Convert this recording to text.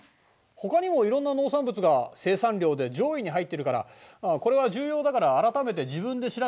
ほかにもいろんな農産物が生産量で上位に入っているからこれは重要だから改めて自分で調べておきたまえ。